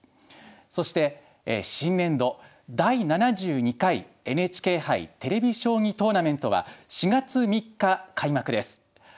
そして新年度第７２回ＮＨＫ杯テレビ将棋トーナメントは４月３日開幕です。